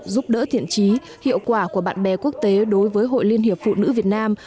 giúp đỡ thiện trí hiệu quả của bạn bè quốc tế đối với hội liên hiệp phụ nữ việt nam